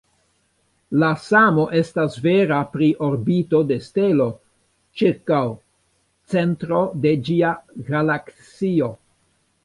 La samo estas vera pri orbito de stelo ĉirkaŭ centro de ĝia galaksio.